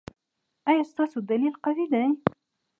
ایا ستاسو دلیل قوي دی؟